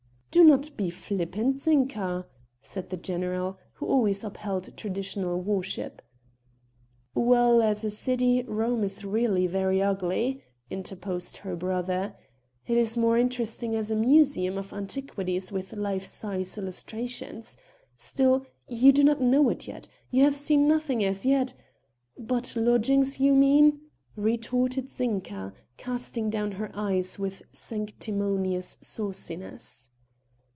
"Do not be flippant, Zinka," said the general, who always upheld traditional worship. "Well, as a city Rome is really very ugly," interposed her brother, "it is more interesting as a museum of antiquities with life size illustrations. Still, you do not know it yet. You have seen nothing as yet...." "But lodgings, you mean," retorted Zinka, casting down her eyes with sanctimonious sauciness.